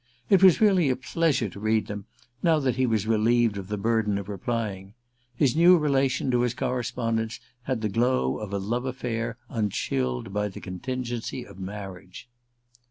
It was really a pleasure to read them, now that he was relieved of the burden of replying: his new relation to his correspondents had the glow of a love affair unchilled by the contingency of marriage.